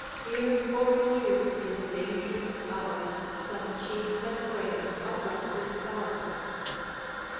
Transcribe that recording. Here, for retreat in dangerous hour, Some chief had framed a rustic bower.